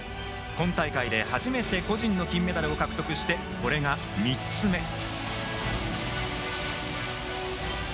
今大会で初めて個人の金メダルを獲得し、これが３つ目。